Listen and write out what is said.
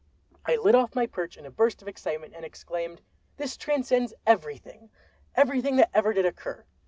I lit off my perch in a burst of excitement, and exclaimed: "This transcends everything! everything that ever did occur!